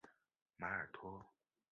马尔托。